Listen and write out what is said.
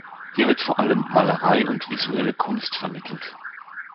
Hier wird vor allem Malerei und visuelle Kunst vermittelt.